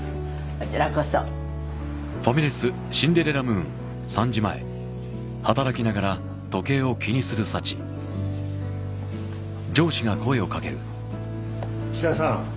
こちらこそ岸田さん